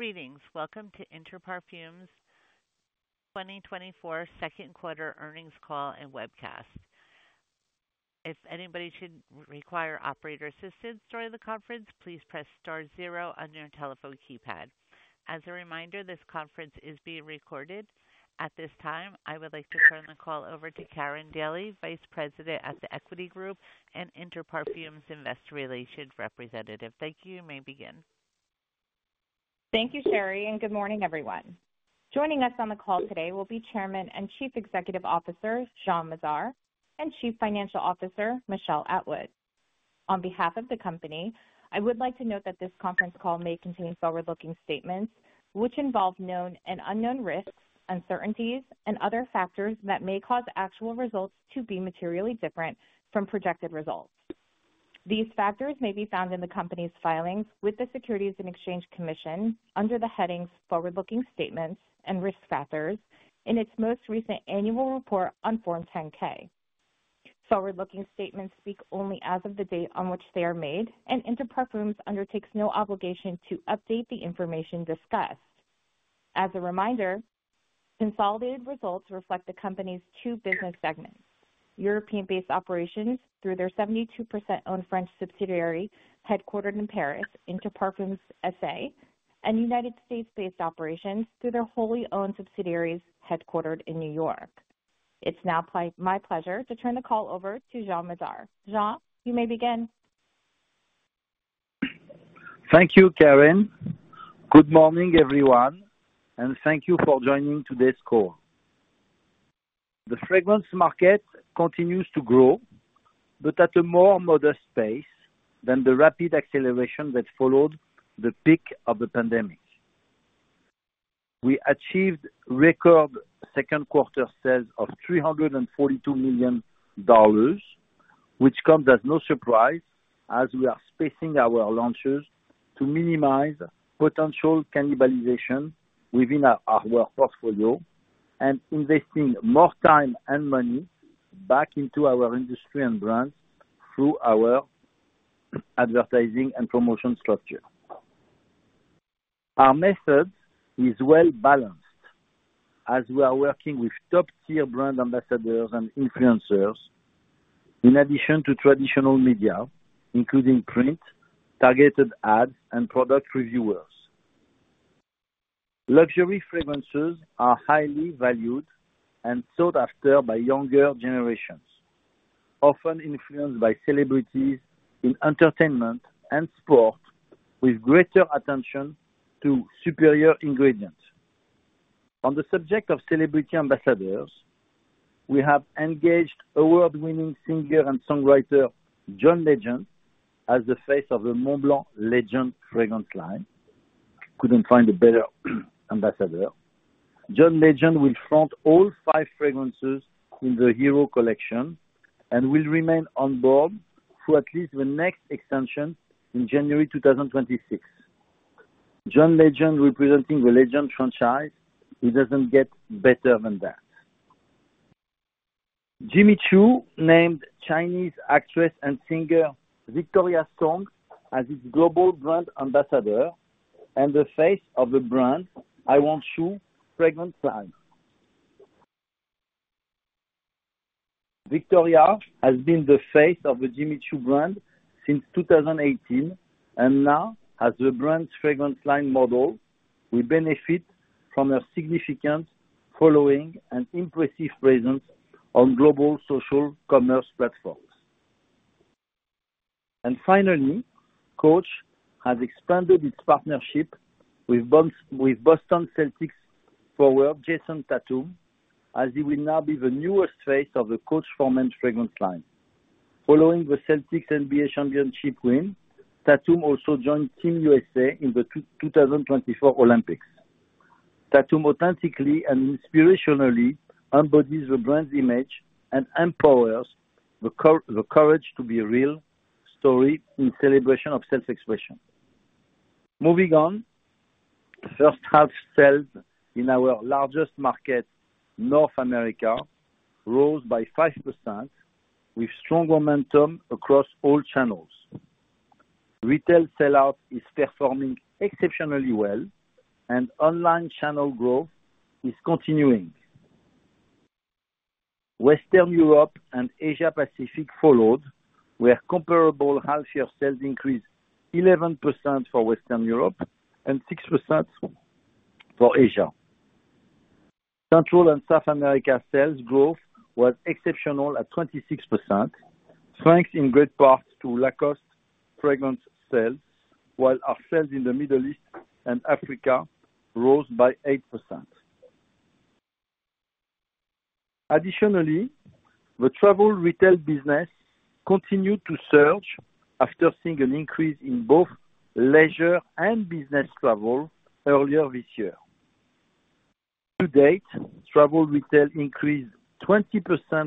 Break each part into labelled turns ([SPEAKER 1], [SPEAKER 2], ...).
[SPEAKER 1] Greetings. Welcome to Interparfums 2024 second quarter earnings call and webcast. If anybody should require operator assistance during the conference, please press star zero on your telephone keypad. As a reminder, this conference is being recorded. At this time, I would like to turn the call over to Karen Daly, Vice President at the Equity Group and Interparfums Investor Relations Representative. Thank you. You may begin.
[SPEAKER 2] Thank you, Sherry, and good morning, everyone. Joining us on the call today will be Chairman and Chief Executive Officer, Jean Madar, and Chief Financial Officer, Michel Atwood. On behalf of the company, I would like to note that this conference call may contain forward-looking statements, which involve known and unknown risks, uncertainties, and other factors that may cause actual results to be materially different from projected results. These factors may be found in the company's filings with the Securities and Exchange Commission under the headings "Forward-Looking Statements" and "Risk Factors" in its most recent annual report on Form 10-K. Forward-looking statements speak only as of the date on which they are made, and Interparfums undertakes no obligation to update the information discussed. As a reminder, consolidated results reflect the company's two business segments: European-based operations, through their 72%-owned French subsidiary, headquartered in Paris, Interparfums SA, and United States-based operations through their wholly owned subsidiaries, headquartered in New York. It's now my pleasure to turn the call over to Jean Madar. Jean, you may begin.
[SPEAKER 3] Thank you, Karen. Good morning, everyone, and thank you for joining today's call. The fragrance market continues to grow, but at a more modest pace than the rapid acceleration that followed the peak of the pandemic. We achieved record second quarter sales of $342 million, which comes as no surprise as we are spacing our launches to minimize potential cannibalization within our work portfolio and investing more time and money back into our industry and brands through our advertising and promotion structure. Our method is well-balanced as we are working with top-tier brand ambassadors and influencers, in addition to traditional media, including print, targeted ads, and product reviewers. Luxury fragrances are highly valued and sought after by younger generations, often influenced by celebrities in entertainment and sport, with greater attention to superior ingredients. On the subject of celebrity ambassadors, we have engaged award-winning singer and songwriter, John Legend, as the face of the Montblanc Legend fragrance line. Couldn't find a better ambassador. John Legend will front all five fragrances in the Hero collection and will remain on board through at least the next extension in January 2026. John Legend representing the Legend franchise, it doesn't get better than that. Jimmy Choo named Chinese actress and singer, Victoria Song, as its global brand ambassador and the face of the brand, I Want Choo fragrance line. Victoria has been the face of the Jimmy Choo brand since 2018, and now as the brand's fragrance line model, we benefit from a significant following and impressive presence on global social commerce platforms. Finally, Coach has expanded its partnership with Boston Celtics forward, Jayson Tatum, as he will now be the newest face of the Coach For Men fragrance line. Following the Celtics NBA championship win, Tatum also joined Team USA in the 2024 Olympics. Tatum authentically and inspirationally embodies the brand's image and empowers the Courage to Be Real story in celebration of self-expression. Moving on, first half sales in our largest market, North America, rose by 5%, with strong momentum across all channels. Retail sell-out is performing exceptionally well and online channel growth is continuing. Western Europe and Asia Pacific followed, where comparable half-year sales increased 11% for Western Europe and 6% for Asia. Central and South America sales growth was exceptional at 26%, thanks in great part to Lacoste fragrance sales, while our sales in the Middle East and Africa rose by 8%. Additionally, the travel retail business continued to surge after seeing an increase in both leisure and business travel earlier this year. To date, travel retail increased 20%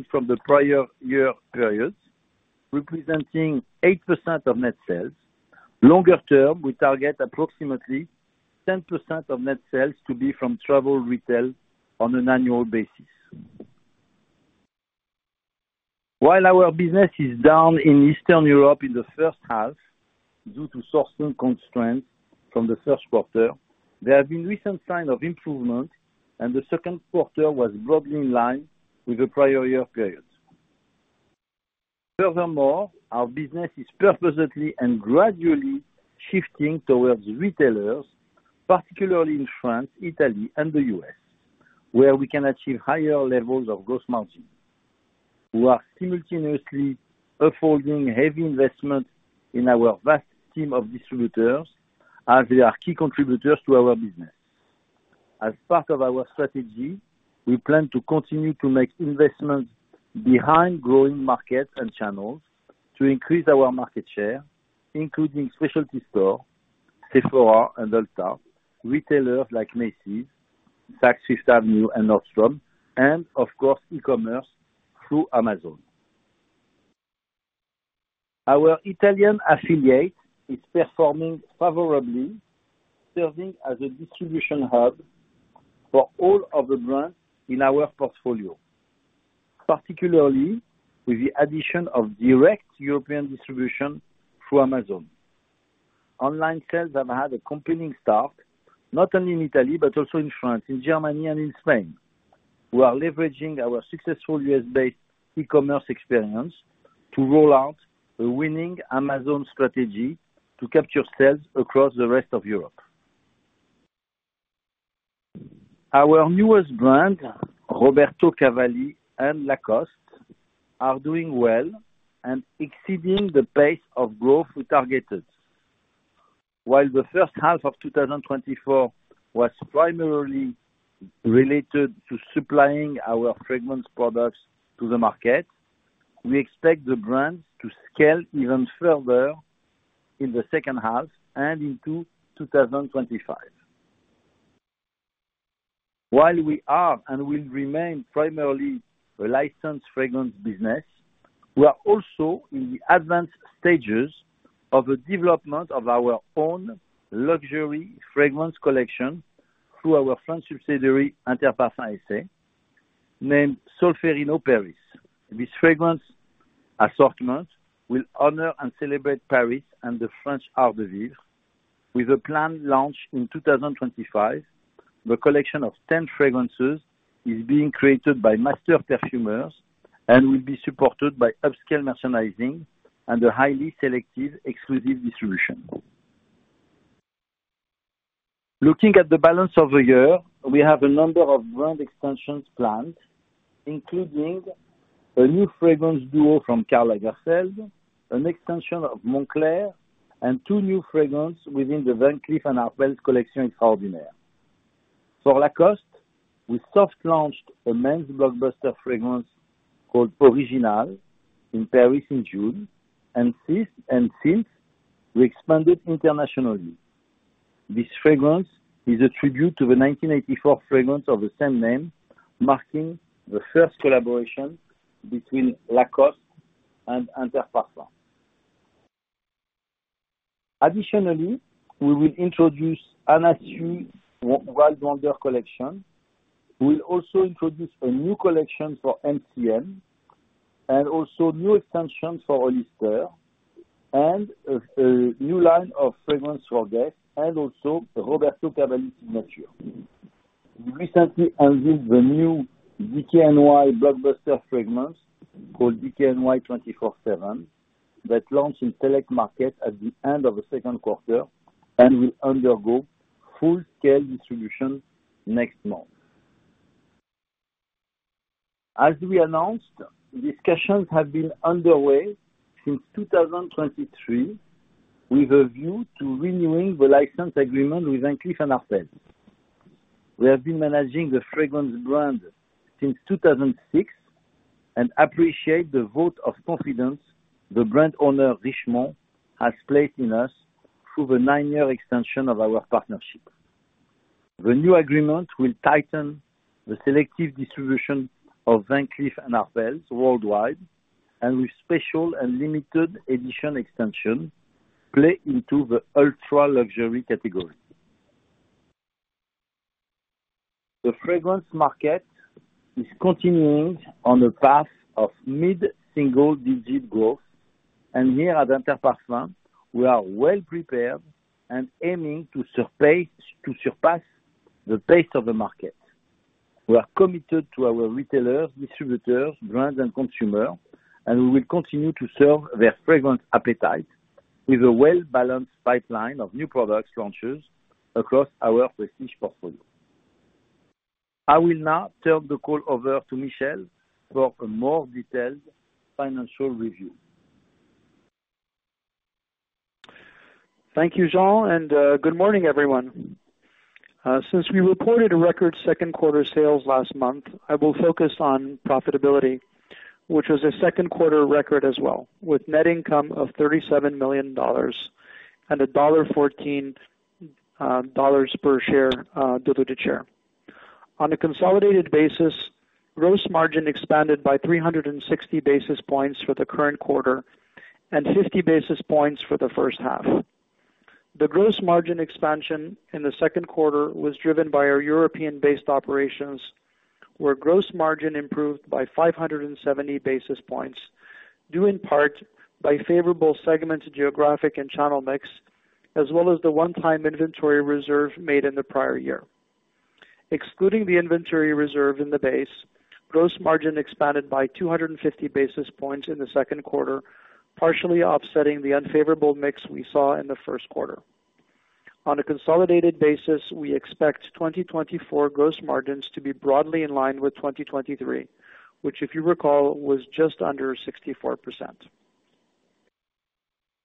[SPEAKER 3] from the prior year periods, representing 8% of net sales. Longer term, we target approximately 10% of net sales to be from travel retail on an annual basis.... While our business is down in Eastern Europe in the first half, due to sourcing constraints from the first quarter, there have been recent signs of improvement, and the second quarter was broadly in line with the prior year periods. Furthermore, our business is purposely and gradually shifting towards retailers, particularly in France, Italy, and the U.S., where we can achieve higher levels of gross margin. We are simultaneously affording heavy investment in our vast team of distributors, as they are key contributors to our business. As part of our strategy, we plan to continue to make investments behind growing markets and channels to increase our market share, including specialty store, Sephora and Ulta, retailers like Macy's, Saks Fifth Avenue, and Nordstrom, and of course, e-commerce through Amazon. Our Italian affiliate is performing favorably, serving as a distribution hub for all of the brands in our portfolio, particularly with the addition of direct European distribution through Amazon. Online sales have had a compelling start, not only in Italy, but also in France, in Germany and in Spain. We are leveraging our successful U.S.-based e-commerce experience to roll out a winning Amazon strategy to capture sales across the rest of Europe. Our newest brand, Roberto Cavalli and Lacoste, are doing well and exceeding the pace of growth we targeted. While the first half of 2024 was primarily related to supplying our fragrance products to the market, we expect the brand to scale even further in the second half and into 2025. While we are and will remain primarily a licensed fragrance business, we are also in the advanced stages of the development of our own luxury fragrance collection through our French subsidiary, Interparfums, named Solférino Paris. This fragrance assortment will honor and celebrate Paris and the French art de vivre, with a planned launch in 2025. The collection of 10 fragrances is being created by master perfumers and will be supported by upscale merchandising and a highly selective, exclusive distribution. Looking at the balance of the year, we have a number of brand extensions planned, including a new fragrance duo from Karl Lagerfeld, an extension of Moncler, and 2 new fragrances within the Van Cleef & Arpels Collection Extraordinaire. For Lacoste, we soft launched a men's blockbuster fragrance called Original in Paris in June, and since we expanded internationally. This fragrance is a tribute to the 1984 fragrance of the same name, marking the first collaboration between Lacoste and Interparfums. Additionally, we will introduce Anna Sui Wild Wonder collection. We'll also introduce a new collection for MCM, and also new extensions for Hollister, and a new line of fragrance for Guess, and also the Roberto Cavalli Signature. We recently unveiled the new DKNY blockbuster fragrance, called DKNY 24/7, that launched in select markets at the end of the second quarter and will undergo full-scale distribution next month. As we announced, discussions have been underway since 2023 with a view to renewing the license agreement with Van Cleef & Arpels. We have been managing the fragrance brand since 2006 and appreciate the vote of confidence the brand owner, Richemont, has placed in us through the nine-year extension of our partnership. The new agreement will tighten the selective distribution of Van Cleef & Arpels worldwide, and with special and limited edition extension, play into the ultra-luxury category. The fragrance market is continuing on a path of mid-single-digit growth, and here at Interparfums, we are well prepared and aiming to surpass the pace of the market. We are committed to our retailers, distributors, brands, and consumers, and we will continue to serve their fragrant appetite with a well-balanced pipeline of new product launches across our prestige portfolio. I will now turn the call over to Michel for a more detailed financial review.
[SPEAKER 4] Thank you, Jean, and good morning, everyone. Since we reported a record second quarter sales last month, I will focus on profitability, which was a second quarter record as well, with net income of $37 million and $1.14 per diluted share. On a consolidated basis, gross margin expanded by 360 basis points for the current quarter and 50 basis points for the first half. The gross margin expansion in the second quarter was driven by our European-based operations, where gross margin improved by 570 basis points, due in part by favorable segment, geographic and channel mix, as well as the one-time inventory reserve made in the prior year. Excluding the inventory reserve in the base, gross margin expanded by 250 basis points in the second quarter, partially offsetting the unfavorable mix we saw in the first quarter. On a consolidated basis, we expect 2024 gross margins to be broadly in line with 2023, which, if you recall, was just under 64%.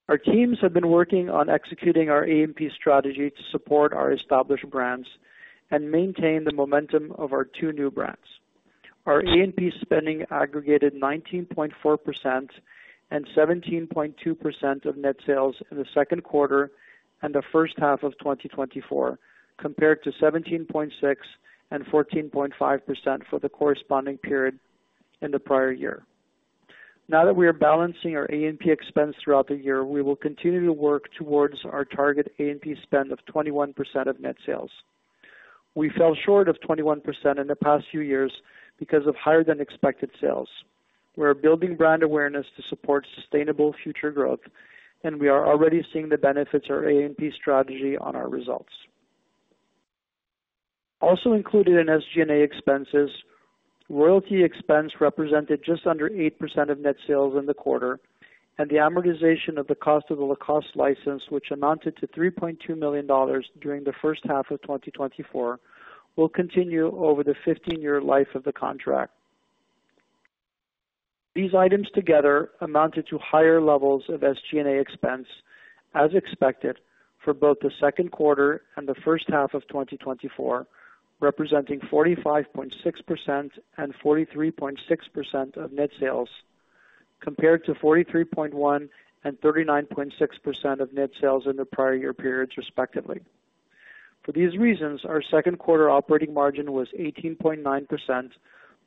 [SPEAKER 4] Our teams have been working on executing our A&P strategy to support our established brands and maintain the momentum of our two new brands. Our A&P spending aggregated 19.4% and 17.2% of net sales in the second quarter and the first half of 2024, compared to 17.6% and 14.5% for the corresponding period in the prior year. Now that we are balancing our A&P expense throughout the year, we will continue to work towards our target A&P spend of 21% of net sales. We fell short of 21% in the past few years because of higher than expected sales. We are building brand awareness to support sustainable future growth, and we are already seeing the benefits of our A&P strategy on our results. Also included in SG&A expenses, royalty expense represented just under 8% of net sales in the quarter, and the amortization of the cost of the Lacoste license, which amounted to $3.2 million during the first half of 2024, will continue over the 15-year life of the contract. These items together amounted to higher levels of SG&A expense, as expected, for both the second quarter and the first half of 2024, representing 45.6% and 43.6% of net sales, compared to 43.1% and 39.6% of net sales in the prior year periods, respectively. For these reasons, our second quarter operating margin was 18.9%,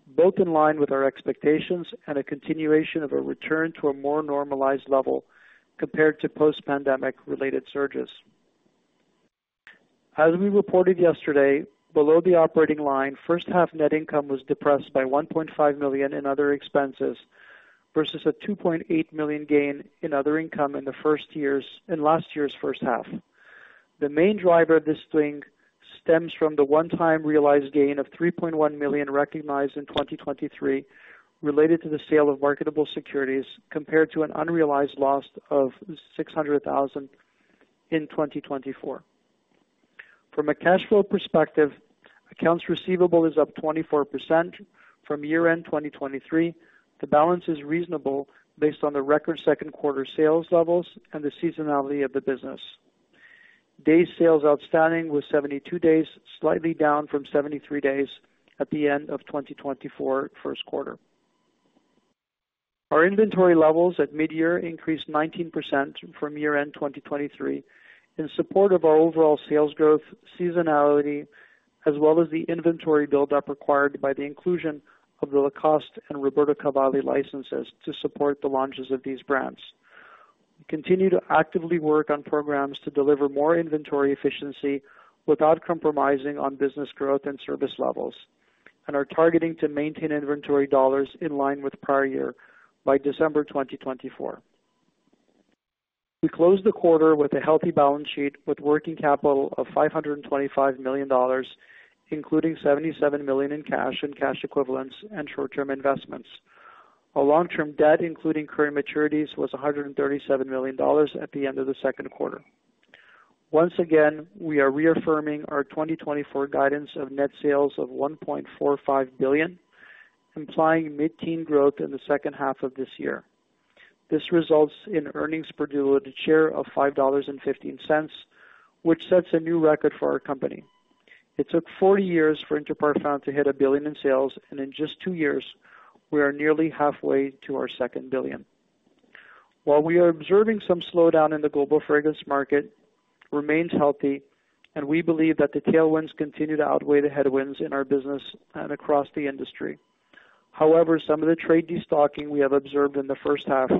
[SPEAKER 4] both in line with our expectations and a continuation of a return to a more normalized level compared to post-pandemic related surges. As we reported yesterday, below the operating line, first half net income was depressed by $1.5 million in other expenses, versus a $2.8 million gain in other income in last year's first half. The main driver of this swing stems from the one-time realized gain of $3.1 million, recognized in 2023, related to the sale of marketable securities, compared to an unrealized loss of $600,000 in 2024. From a cash flow perspective, accounts receivable is up 24% from year-end 2023. The balance is reasonable based on the record second quarter sales levels and the seasonality of the business. Days Sales Outstanding was 72 days, slightly down from 73 days at the end of 2024 first quarter. Our inventory levels at mid-year increased 19% from year-end 2023 in support of our overall sales growth, seasonality, as well as the inventory buildup required by the inclusion of the Lacoste and Roberto Cavalli licenses to support the launches of these brands. We continue to actively work on programs to deliver more inventory efficiency without compromising on business growth and service levels, and are targeting to maintain inventory dollars in line with prior year by December 2024. We closed the quarter with a healthy balance sheet, with working capital of $525 million, including $77 million in cash and cash equivalents and short-term investments. Our long-term debt, including current maturities, was $137 million at the end of the second quarter. Once again, we are reaffirming our 2024 guidance of net sales of $1.45 billion, implying mid-teen growth in the second half of this year. This results in earnings per diluted share of $5.15, which sets a new record for our company. It took 40 years for Inter Parfums to hit $1 billion in sales, and in just 2 years, we are nearly halfway to our second $1 billion. While we are observing some slowdown in the global fragrance market, remains healthy, and we believe that the tailwinds continue to outweigh the headwinds in our business and across the industry. However, some of the trade destocking we have observed in the first half,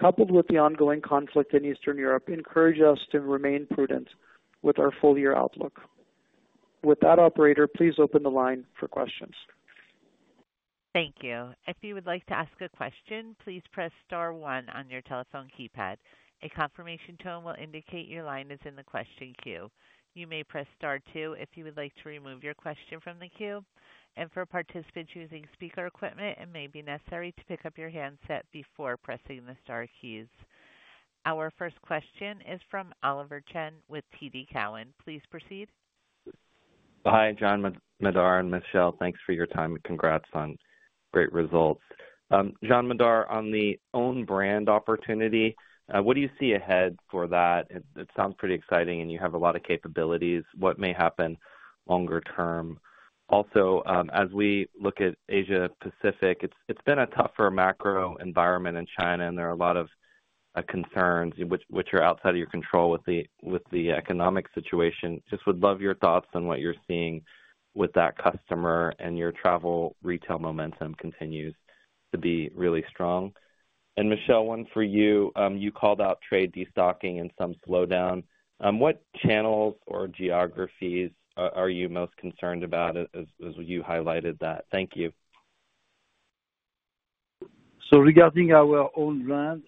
[SPEAKER 4] coupled with the ongoing conflict in Eastern Europe, encourage us to remain prudent with our fullyear outlook. With that, operator, please open the line for questions.
[SPEAKER 1] Thank you. If you would like to ask a question, please press star one on your telephone keypad. A confirmation tone will indicate your line is in the question queue. You may press star two if you would like to remove your question from the queue, and for participants using speaker equipment, it may be necessary to pick up your handset before pressing the star keys. Our first question is from Oliver Chen with TD Cowen. Please proceed.
[SPEAKER 5] Hi, Jean Madar and Michel. Thanks for your time and congrats on great results. Jean Madar, on the own brand opportunity, what do you see ahead for that? It sounds pretty exciting and you have a lot of capabilities. What may happen longer term? Also, as we look at Asia Pacific, it's been a tougher macro environment in China, and there are a lot of concerns which are outside of your control with the economic situation. Just would love your thoughts on what you're seeing with that customer and your travel retail momentum continues to be really strong. And Michel, one for you. You called out trade destocking and some slowdown. What channels or geographies are you most concerned about as you highlighted that? Thank you.
[SPEAKER 3] So regarding our own brand,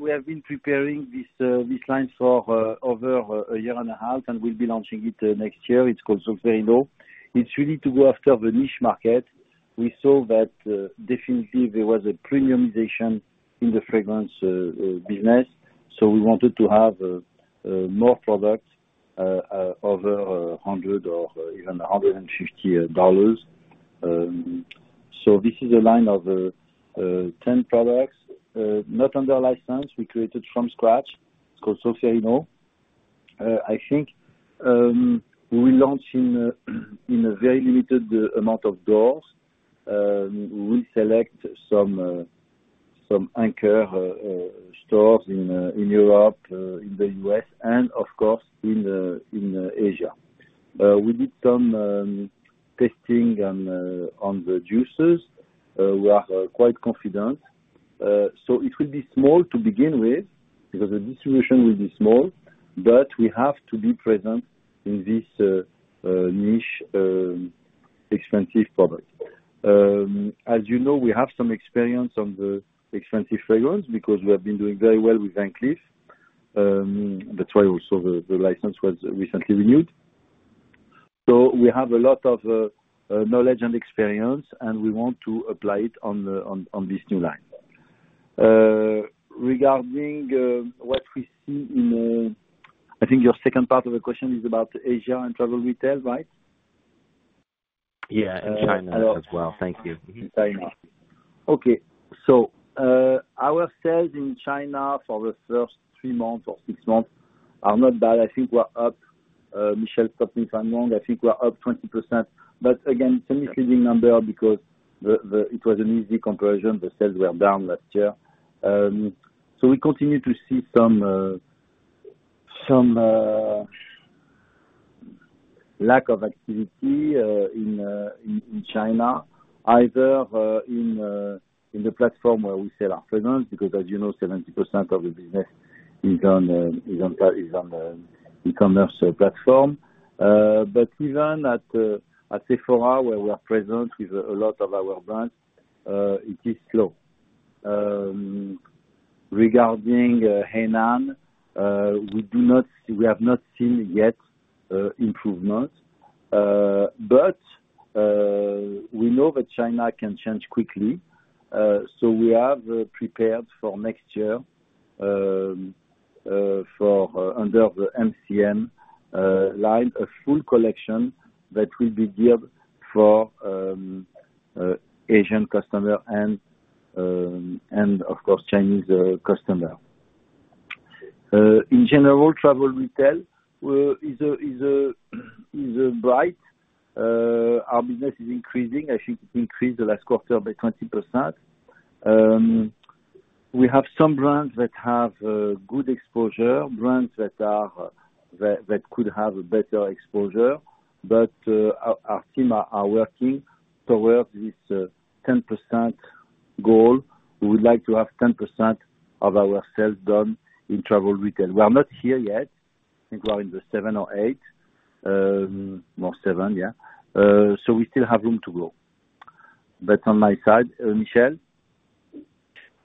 [SPEAKER 3] we have been preparing this line for over a year and a half, and we'll be launching it next year. It's called Solférino. It's really to go after the niche market. We saw that definitely there was a premiumization in the fragrance business, so we wanted to have more products over $100 or even $150. So this is a line of 10 products, not under our license, we created from scratch, called Solférino. I think we launch in a very limited amount of doors. We select some anchor stores in Europe, in the US and of course, in Asia. We did some testing on the juices. We are quite confident. So it will be small to begin with because the distribution will be small, but we have to be present in this niche expensive product. As you know, we have some experience on the expensive fragrance because we have been doing very well with Van Cleef. That's why also the license was recently renewed. So we have a lot of knowledge and experience, and we want to apply it on this new line. Regarding what we see in, I think your second part of the question is about Asia and travel retail, right?
[SPEAKER 5] Yeah, and China as well. Thank you.
[SPEAKER 3] China. Okay. So, our sales in China for the first three months or six months are not bad. I think we're up, Michel, correct me if I'm wrong, I think we're up 20%. But again, it's an increasing number because it was an easy comparison, the sales were down last year. So we continue to see some lack of activity in China, either in the platform where we sell our fragrance, because as you know, 70% of the business is on the e-commerce platform. But even at Sephora, where we are present with a lot of our brands, it is slow. Regarding Hainan, we have not seen yet improvement. But we know that China can change quickly, so we have prepared for next year, for under the MCM line, a full collection that will be geared for Asian customer and, and of course, Chinese customer. In general, travel retail is a bright, our business is increasing. I think it increased the last quarter by 20%. We have some brands that have good exposure, brands that could have a better exposure, but our team are working towards this 10% goal. We would like to have 10% of our sales done in travel retail. We are not here yet. I think we are in the seven or eight, no, seven, yeah. So we still have room to grow. But on my side, Michel?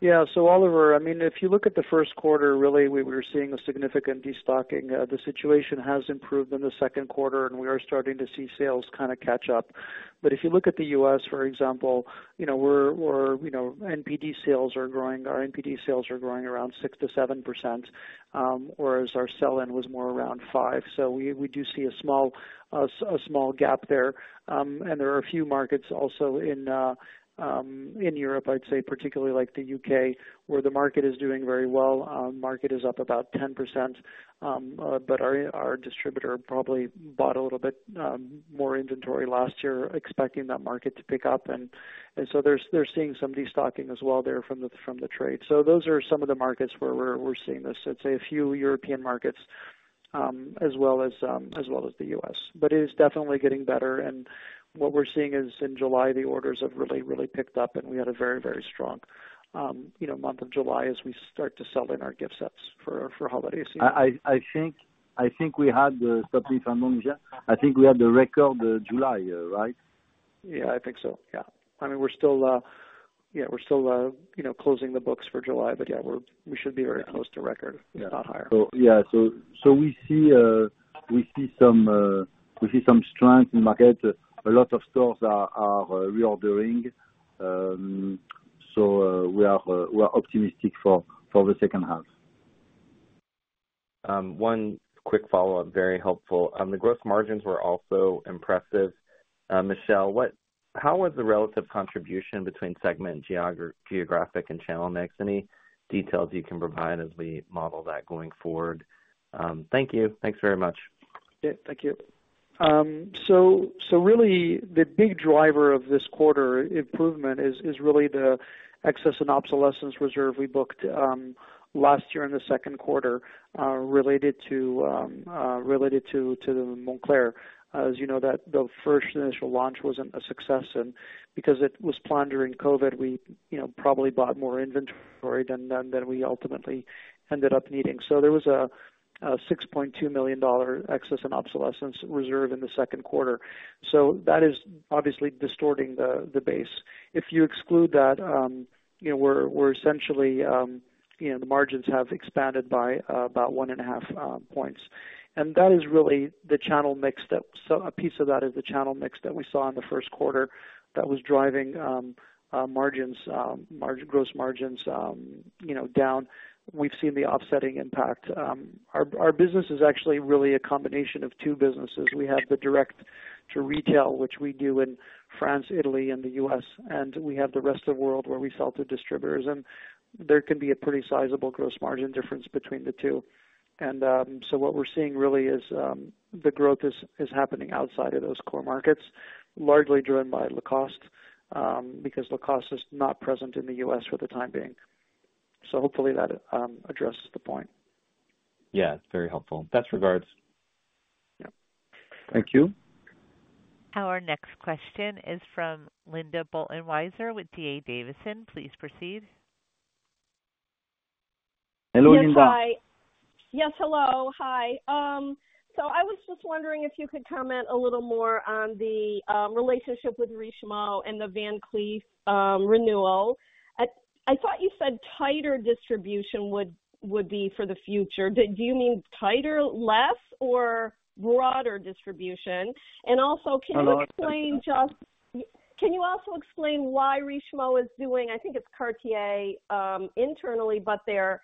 [SPEAKER 4] Yeah. So Oliver, I mean, if you look at the first quarter, really, we were seeing a significant destocking. The situation has improved in the second quarter, and we are starting to see sales kind of catch up. But if you look at the U.S., for example, you know, we're, we're, you know, NPD sales are growing—our NPD sales are growing around 6%-7%, whereas our sell-in was more around 5. So we, we do see a small, a small gap there. And there are a few markets also in, in Europe, I'd say, particularly like the U.K., where the market is doing very well. Market is up about 10%, but our, our distributor probably bought a little bit, more inventory last year, expecting that market to pick up. And so they're seeing some destocking as well there from the trade. So those are some of the markets where we're seeing this. I'd say a few European markets, as well as the U.S. But it is definitely getting better. And what we're seeing is in July, the orders have really picked up and we had a very strong, you know, month of July as we start to sell in our gift sets for holiday season.
[SPEAKER 3] I think we had, correct me if I'm wrong, yeah. I think we had a record July, right?
[SPEAKER 4] Yeah, I think so. Yeah. I mean, we're still, yeah, we're still, you know, closing the books for July, but yeah, we're, we should be very close to record, if not higher.
[SPEAKER 3] So yeah. So we see some strength in market. A lot of stores are reordering, so we are optimistic for the second half.
[SPEAKER 5] One quick follow-up, very helpful. The gross margins were also impressive. Michel, how was the relative contribution between segment, geographic and channel mix? Any details you can provide as we model that going forward? Thank you. Thanks very much.
[SPEAKER 4] Yeah, thank you. So really the big driver of this quarter improvement is really the excess and obsolescence reserve we booked last year in the second quarter related to Moncler. As you know, that the first initial launch wasn't a success, and because it was during COVID, we, you know, probably bought more inventory than we ultimately ended up needing. So there was a $6.2 million excess and obsolescence reserve in the second quarter. So that is obviously distorting the base. If you exclude that, you know, we're essentially the margins have expanded by about 1.5 points. And that is really the channel mix. That, so a piece of that is the channel mix that we saw in the first quarter that was driving gross margins, you know, down. We've seen the offsetting impact. Our business is actually really a combination of two businesses. We have the direct to retail, which we do in France, Italy and the U.S., and we have the rest of the world, where we sell to distributors, and there can be a pretty sizable gross margin difference between the two. And, so what we're seeing really is, the growth is happening outside of those core markets, largely driven by Lacoste, because Lacoste is not present in the U.S. for the time being. So hopefully that addresses the point.
[SPEAKER 5] Yeah, very helpful. Best regards.
[SPEAKER 4] Yeah.
[SPEAKER 3] Thank you.
[SPEAKER 1] Our next question is from Linda Bolton Weiser with D.A. Davidson. Please proceed.
[SPEAKER 3] Hello, Linda.
[SPEAKER 6] Yes, hi. Yes, hello. Hi. So I was just wondering if you could comment a little more on the relationship with Richemont and the Van Cleef renewal. I thought you said tighter distribution would be for the future. Did you mean tighter less or broader distribution? And also, can you explain just-
[SPEAKER 3] I know-
[SPEAKER 6] Can you also explain why Richemont is doing, I think it's Cartier, internally, but they're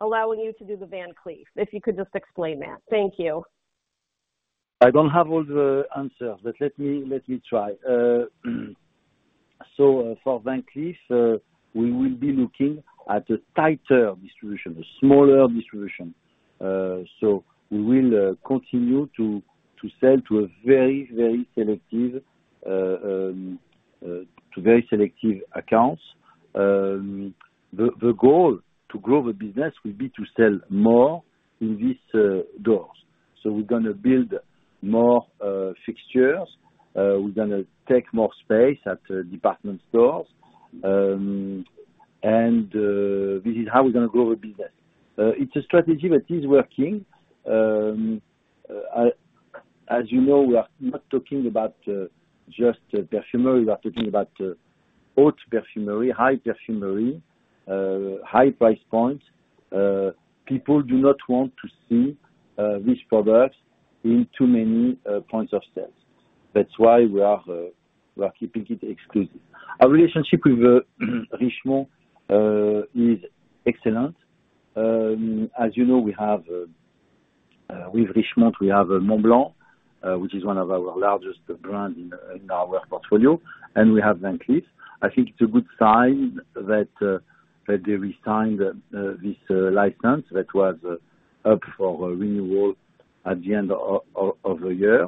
[SPEAKER 6] allowing you to do the Van Cleef & Arpels? If you could just explain that. Thank you.
[SPEAKER 3] I don't have all the answers, but let me, let me try. So, for Van Cleef, we will be looking at a tighter distribution, a smaller distribution. So we will continue to sell to a very, very selective to very selective accounts. The goal to grow the business will be to sell more in these doors. So we're gonna build more fixtures, we're gonna take more space at the department stores, and this is how we're gonna grow the business. It's a strategy that is working. As you know, we are not talking about just perfumery. We are talking about haute perfumery, high perfumery, high price points. People do not want to see this product in too many points of sales. That's why we are keeping it exclusive. Our relationship with Richemont is excellent. As you know, we have, with Richemont, we have Montblanc, which is one of our largest brands in our portfolio, and we have Van Cleef. I think it's a good sign that they re-signed this license that was up for renewal at the end of the year.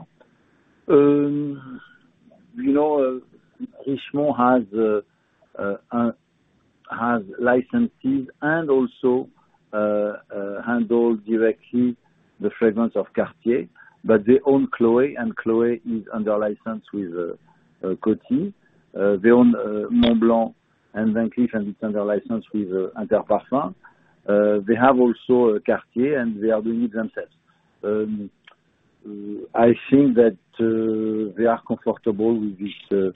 [SPEAKER 3] You know, Richemont has licensees and also handled directly the fragrance of Cartier, but they own Chloé, and Chloé is under license with Coty. They own Montblanc and Van Cleef, and it's under license with Interparfums. They have also Cartier, and they are doing it themselves. I think that they are comfortable with this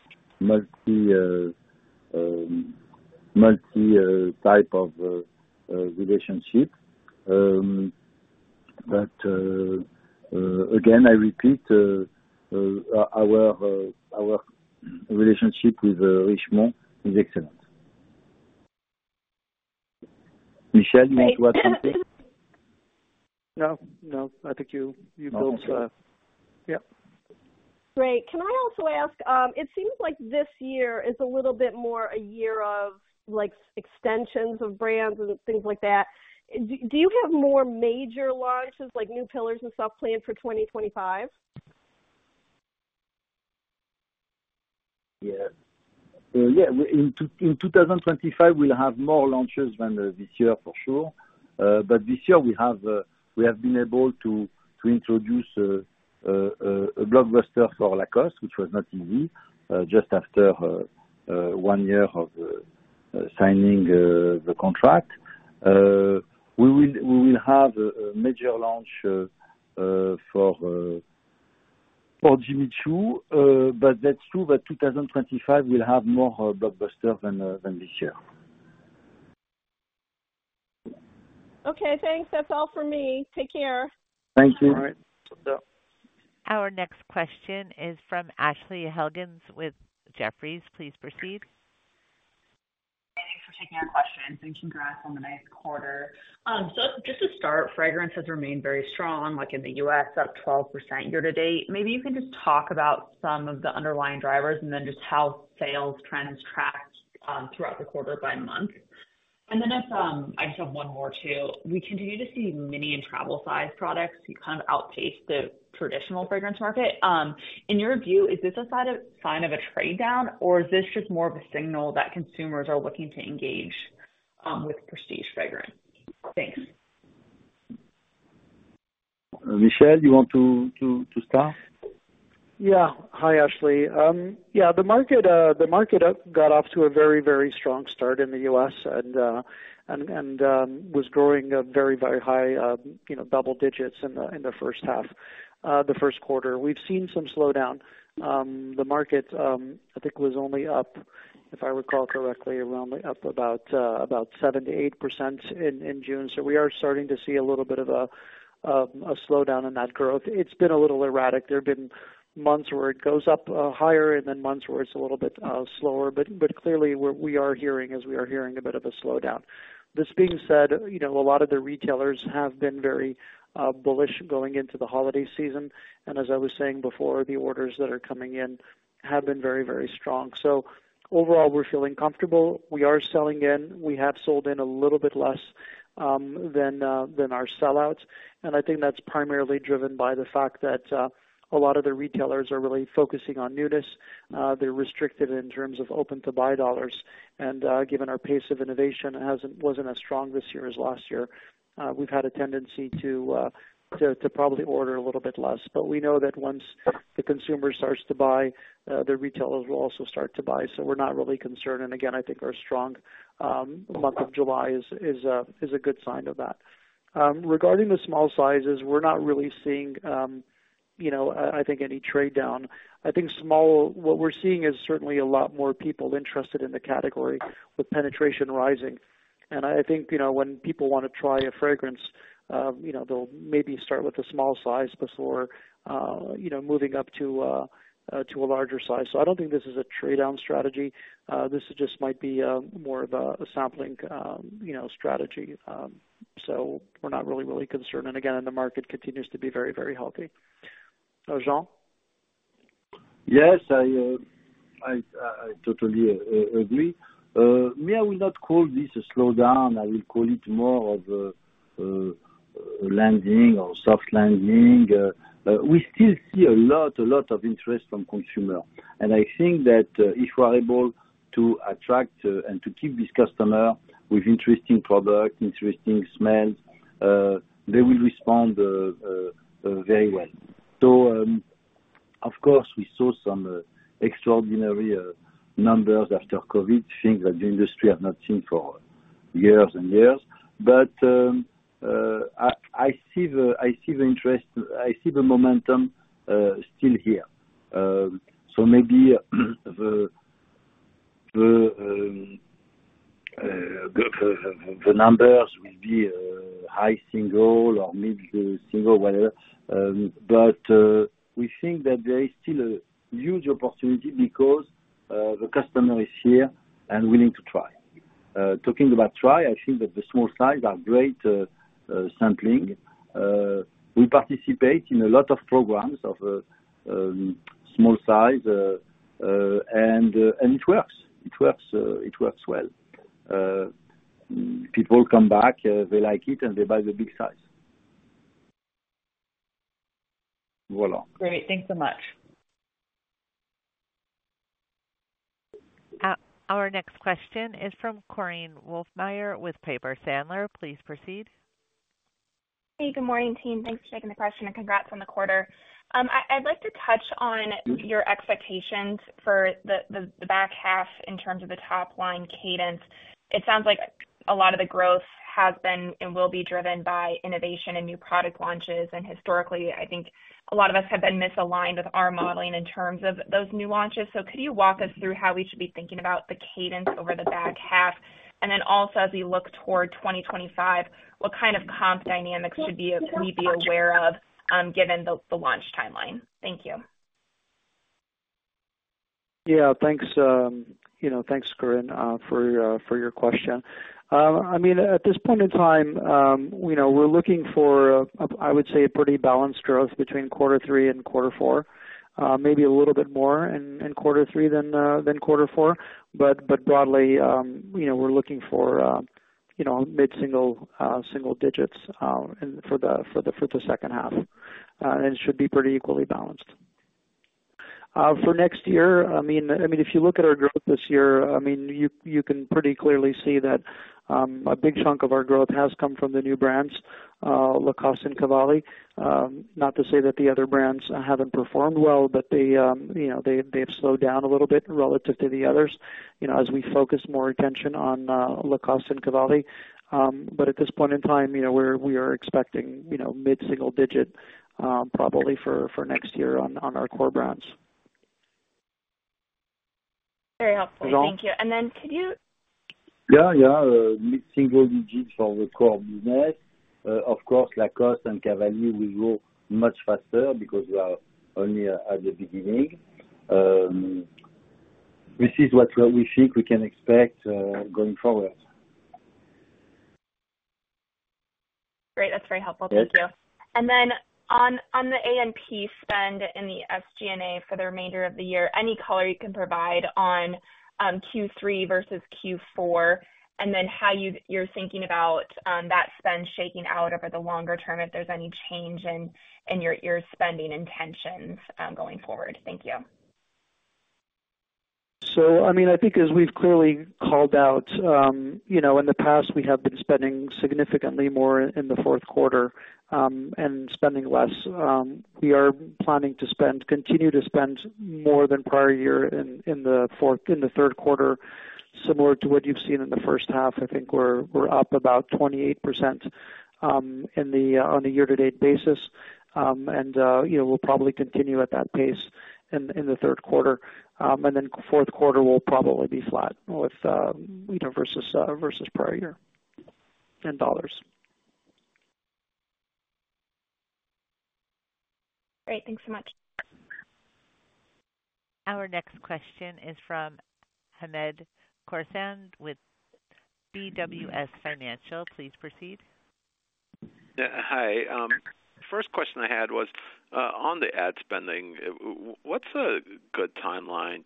[SPEAKER 3] multi-type of relationship. But again, I repeat, our relationship with Richemont is excellent. Michel, you want to add something?
[SPEAKER 4] No, no. I think you, you built... Yeah.
[SPEAKER 6] Great. Can I also ask, it seems like this year is a little bit more a year of, like, extensions of brands and things like that. Do you have more major launches, like new pillars and stuff planned for 2025?
[SPEAKER 3] Yeah. Yeah, in 2025, we'll have more launches than this year, for sure. But this year we have been able to introduce a blockbuster for Lacoste, which was not easy, just after one year of signing the contract. We will have a major launch for Jimmy Choo. But that's true that 2025 will have more blockbuster than this year.
[SPEAKER 6] Okay, thanks. That's all for me. Take care.
[SPEAKER 3] Thank you.
[SPEAKER 4] All right. Bye-bye.
[SPEAKER 1] Our next question is from Ashley Helgans with Jefferies. Please proceed.
[SPEAKER 7] Thanks for taking our questions, and congrats on the nice quarter. So just to start, fragrance has remained very strong, like in the U.S., up 12% year to date. Maybe you can just talk about some of the underlying drivers and then just how sales trends tracked throughout the quarter by month? Then if I just have one more, too. We continue to see mini and travel size products kind of outpace the traditional fragrance market. In your view, is this a sign of a trade down, or is this just more of a signal that consumers are looking to engage with prestige fragrance? Thanks.
[SPEAKER 3] Michel, you want to start?
[SPEAKER 4] Yeah. Hi, Ashley. Yeah, the market got off to a very, very strong start in the U.S. and was growing a very, very high, you know, double digits in the first half, the first quarter. We've seen some slowdown. The market, I think was only up, if I recall correctly, around up about 7%-8% in June. So we are starting to see a little bit of a slowdown in that growth. It's been a little erratic. There have been months where it goes up higher and then months where it's a little bit slower. But clearly, what we are hearing is we are hearing a bit of a slowdown. This being said, you know, a lot of the retailers have been very bullish going into the holiday season, and as I was saying before, the orders that are coming in have been very, very strong. So overall, we're feeling comfortable. We are selling in. We have sold in a little bit less than our sell-outs, and I think that's primarily driven by the fact that a lot of the retailers are really focusing on newness. They're restricted in terms of open-to-buy dollars and, given our pace of innovation wasn't as strong this year as last year, we've had a tendency to probably order a little bit less. But we know that once the consumer starts to buy, the retailers will also start to buy, so we're not really concerned. And again, I think our strong month of July is a good sign of that. Regarding the small sizes, we're not really seeing, you know, I think any trade down. What we're seeing is certainly a lot more people interested in the category, with penetration rising. And I think, you know, when people want to try a fragrance, you know, they'll maybe start with a small size before, you know, moving up to a larger size. So I don't think this is a trade-down strategy. This just might be more of a sampling, you know, strategy. So we're not really, really concerned, and again, the market continues to be very, very healthy. Jean?
[SPEAKER 3] Yes, I totally agree. I will not call this a slowdown. I will call it more of a landing or soft landing. We still see a lot of interest from consumer, and I think that if we are able to attract and to keep this customer with interesting product, interesting smells, they will respond very well. So, of course, we saw some extraordinary numbers after COVID, things that the industry have not seen for years and years. But, I see the interest, I see the momentum still here. So maybe the numbers will be high single or mid single, whatever. But we think that there is still a huge opportunity because the customer is here and willing to try. Talking about try, I think that the small size are great sampling. We participate in a lot of programs of small size and it works. It works, it works well. People come back, they like it, and they buy the big size. Voila!
[SPEAKER 7] Great. Thanks so much.
[SPEAKER 1] Our next question is from Korinne Wolfmeyer with Piper Sandler. Please proceed.
[SPEAKER 8] Hey, good morning, team. Thanks for taking the question and congrats on the quarter. I, I'd like to touch on your expectations for the back half in terms of the top line cadence. It sounds like a lot of the growth has been and will be driven by innovation and new product launches. And historically, I think a lot of us have been misaligned with our modeling in terms of those new launches. So could you walk us through how we should be thinking about the cadence over the back half? And then also, as we look toward 2025, what kind of comp dynamics should we be aware of, given the launch timeline? Thank you.
[SPEAKER 4] Yeah, thanks, you know, thanks, Korinne, for your question. I mean, at this point in time, you know, we're looking for a, I would say, a pretty balanced growth between quarter three and quarter four. Maybe a little bit more in quarter three than quarter four. But broadly, you know, we're looking for, you know, mid-single single digits and for the second half, and it should be pretty equally balanced. For next year, I mean, if you look at our growth this year, I mean, you can pretty clearly see that a big chunk of our growth has come from the new brands, Lacoste and Cavalli. Not to say that the other brands haven't performed well, but they, you know, they, they've slowed down a little bit relative to the others, you know, as we focus more attention on Lacoste and Cavalli. But at this point in time, you know, we are expecting, you know, mid-single digit, probably for next year on our core brands.
[SPEAKER 9] Very helpful.
[SPEAKER 3] Jean?
[SPEAKER 8] Thank you. And then could you-
[SPEAKER 3] Yeah, yeah. Mid-single digits for the core business. Of course, Lacoste and Cavalli will grow much faster because we are only at the beginning. This is what we think we can expect going forward....
[SPEAKER 8] Great, that's very helpful. Thank you. And then on, on the A&P spend in the SG&A for the remainder of the year, any color you can provide on, Q3 versus Q4, and then how you, you're thinking about, that spend shaking out over the longer term, if there's any change in, in your, your spending intentions, going forward? Thank you.
[SPEAKER 4] So, I mean, I think as we've clearly called out, you know, in the past, we have been spending significantly more in the fourth quarter, and spending less. We are planning to continue to spend more than prior year in the third quarter, similar to what you've seen in the first half. I think we're up about 28%, on the year-to-date basis. And, you know, we'll probably continue at that pace in the third quarter. And then fourth quarter will probably be flat with, you know, versus prior year in dollars.
[SPEAKER 8] Great, thanks so much.
[SPEAKER 1] Our next question is from Hamed Khorsand with BWS Financial. Please proceed.
[SPEAKER 10] Yeah. Hi. First question I had was on the ad spending. What's a good timeline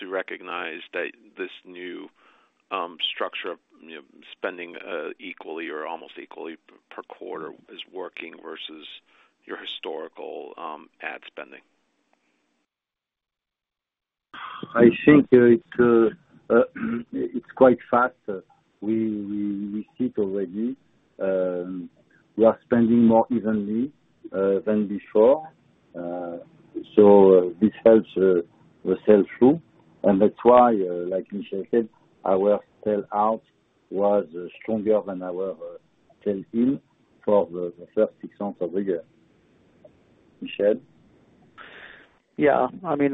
[SPEAKER 10] to recognize that this new structure of, you know, spending equally or almost equally per quarter is working versus your historical ad spending?
[SPEAKER 3] I think it's quite fast. We see it already. We are spending more evenly than before. So this helps the sell-through, and that's why, like Michel said, our sell-out was stronger than our sell-in for the first six months of the year. Michel?
[SPEAKER 4] Yeah. I mean,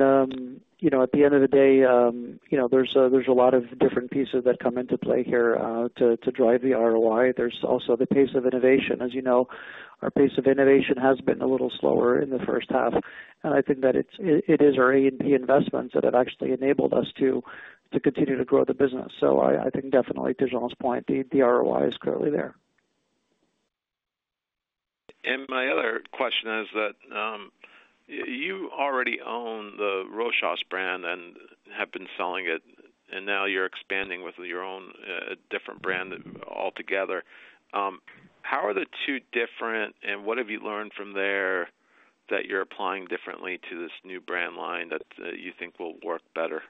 [SPEAKER 4] you know, at the end of the day, you know, there's a lot of different pieces that come into play here, to drive the ROI. There's also the pace of innovation. As you know, our pace of innovation has been a little slower in the first half, and I think that it is our A&P investments that have actually enabled us to continue to grow the business. So I think definitely, to Jean's point, the ROI is clearly there.
[SPEAKER 10] My other question is that you already own the Rochas brand and have been selling it, and now you're expanding with your own different brand altogether. How are the two different, and what have you learned from there that you're applying differently to this new brand line that you think will work better?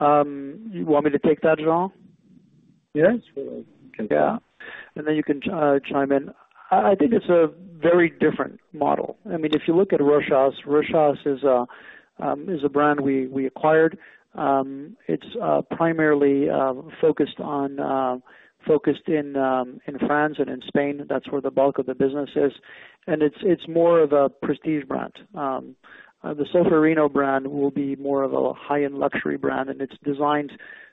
[SPEAKER 4] You want me to take that, Jean?
[SPEAKER 3] Yes.
[SPEAKER 4] Yeah. And then you can chime in. I think it's a very different model. I mean, if you look at Rochas, Rochas is a brand we acquired. It's primarily focused in France and in Spain. That's where the bulk of the business is, and it's more of a prestige brand. The Solférino brand will be more of a high-end luxury brand, and it's designed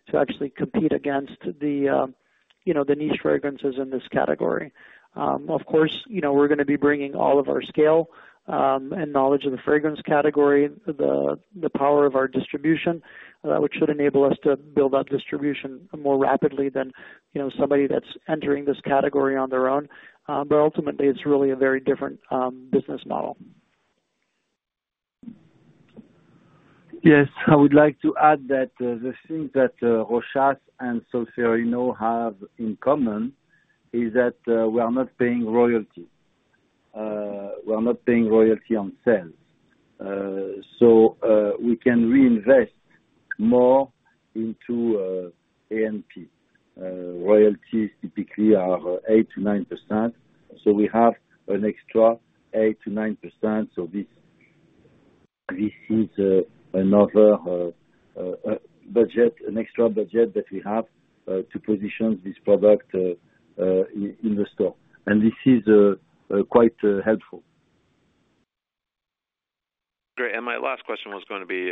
[SPEAKER 4] to actually compete against the, you know, the niche fragrances in this category. Of course, you know, we're gonna be bringing all of our scale and knowledge of the fragrance category, the power of our distribution, which should enable us to build out distribution more rapidly than, you know, somebody that's entering this category on their own. But ultimately, it's really a very different business model.
[SPEAKER 3] Yes, I would like to add that the thing that Rochas and Solférino have in common is that we are not paying royalty. We are not paying royalty on sales. So we can reinvest more into A&P. Royalties typically are 8%-9%, so we have an extra 8%-9%. So this is another budget, an extra budget that we have to position this product in the store. And this is quite helpful.
[SPEAKER 10] Great. My last question was gonna be,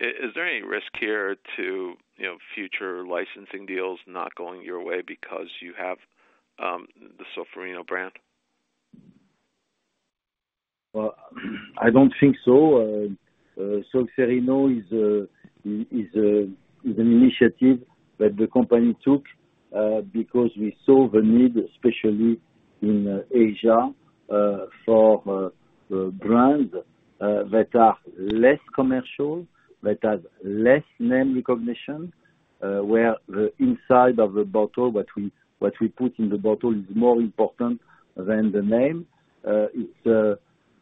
[SPEAKER 10] is there any risk here to, you know, future licensing deals not going your way because you have the Solférino brand?
[SPEAKER 3] Well, I don't think so. Solférino is an initiative that the company took because we saw the need, especially in Asia, for brands that are less commercial, that have less name recognition, where the inside of the bottle, what we put in the bottle, is more important than the name.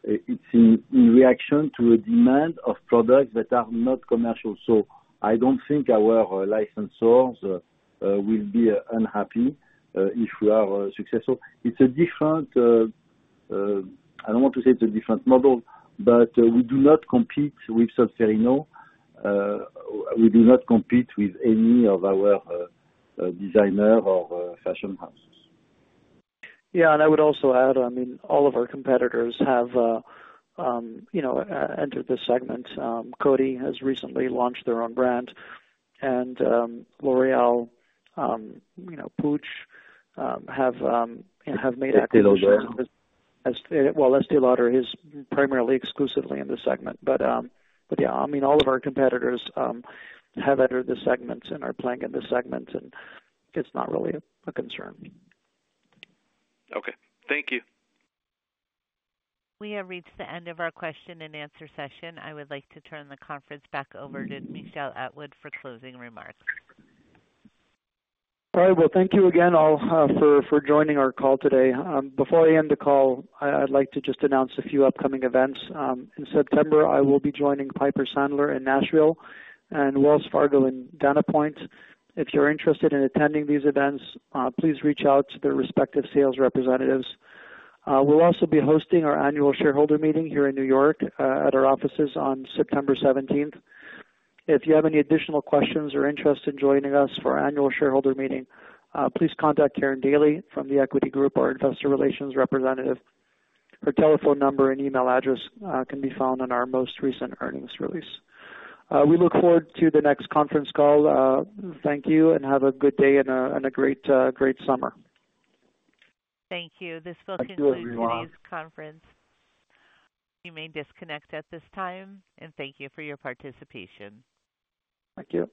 [SPEAKER 3] It's in reaction to a demand of products that are not commercial. So I don't think our licensors will be unhappy if we are successful. It's a different. I don't want to say it's a different model, but we do not compete with Solférino. We do not compete with any of our designer or fashion houses.
[SPEAKER 4] Yeah, and I would also add, I mean, all of our competitors have, you know, entered the segment. Coty has recently launched their own brand, and L'Oréal, you know, Puig, have made-
[SPEAKER 3] Estée Lauder.
[SPEAKER 4] Well, Estée Lauder is primarily, exclusively in the segment. But, but yeah, I mean, all of our competitors have entered the segment and are playing in the segment, and it's not really a concern.
[SPEAKER 10] Okay. Thank you.
[SPEAKER 1] We have reached the end of our question-and-answer session. I would like to turn the conference back over to Michel Atwood for closing remarks.
[SPEAKER 4] All right. Well, thank you again, all, for joining our call today. Before I end the call, I'd like to just announce a few upcoming events. In September, I will be joining Piper Sandler in Nashville and Wells Fargo in Dana Point. If you're interested in attending these events, please reach out to their respective sales representatives. We'll also be hosting our annual shareholder meeting here in New York, at our offices on September seventeenth. If you have any additional questions or interest in joining us for our annual shareholder meeting, please contact Karen Daly from the Equity Group, our investor relations representative. Her telephone number and email address can be found on our most recent earnings release. We look forward to the next conference call. Thank you, and have a good day and a great summer.
[SPEAKER 1] Thank you.
[SPEAKER 4] Thank you, everyone.
[SPEAKER 1] This will conclude today's conference. You may disconnect at this time, and thank you for your participation.
[SPEAKER 4] Thank you.